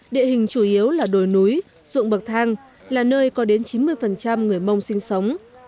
địa hình chủ yếu là đồi núi ruộng bậc thang là nơi có đến chín mươi người mông sinh sống